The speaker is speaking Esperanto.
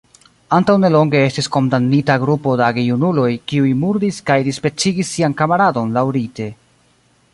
Antaŭ nelonge estis kondamnita grupo da gejunuloj, kiuj murdis kaj dispecigis sian kamaradon laŭrite.